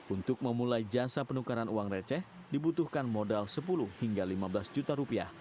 untuk memulai jasa penukaran uang receh dibutuhkan modal sepuluh hingga lima belas juta rupiah